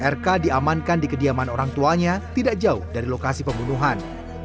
rk diamankan di kediaman orang tuanya tidak jauh dari lokasi pembunuhan